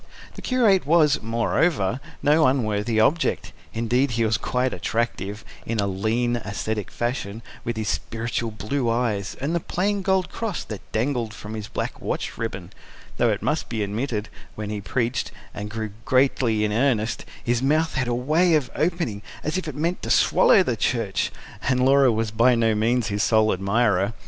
The curate was, moreover, no unworthy object; indeed he was quite attractive, in a lean, ascetic fashion, with his spiritual blue eyes, and the plain gold cross that dangled from his black watch ribbon though, it must be admitted, when he preached, and grew greatly in earnest, his mouth had a way of opening as if it meant to swallow the church and Laura was by no means his sole admirer.